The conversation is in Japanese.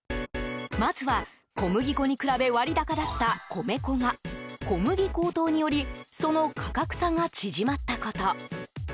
まずは小麦粉に比べ割高だった米粉が小麦高騰によりその価格差が縮まったこと。